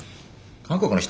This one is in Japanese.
韓国の人？